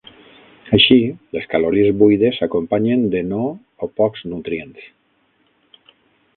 Així, les calories buides s'acompanyen de no o pocs nutrients.